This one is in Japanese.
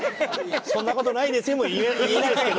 「そんな事ないですよ」も言えないですけど。